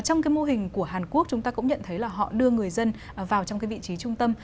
trong cái mô hình của hàn quốc chúng ta cũng nhận thấy là họ đưa người dân vào trong cái vị trí trung tâm